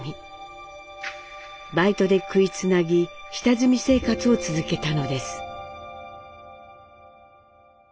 バイトで食いつなぎ下積み生活を続けたのです。